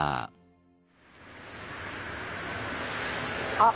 あっ